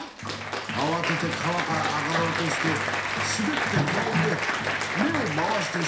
あわてて川から上がろうとしてすべって転んで目を回してしまって。